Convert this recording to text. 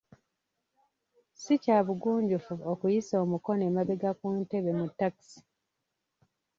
Ssi kya bugunjufu okuyisa omukono emabega ku ntebe mu takisi.